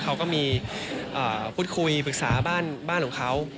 เขาก็มีพูดคุยปรึกษาบ้านของเขา